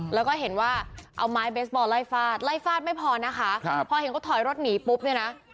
แล้วก็เห็นว่าเอาไม้เบสบอลไล่ฟาดไล่ฟาดไม่พอนะคะครับพอเห็นเขาถอยรถหนีปุ๊บเนี่ยนะ